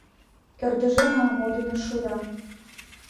Ӧрдыжем ала-мо дене шура...